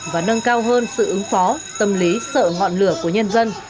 và nâng cao hơn sự ứng phó tâm lý sợ ngọn lửa của nhân dân